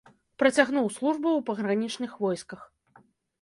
Працягнуў службу ў пагранічных войсках.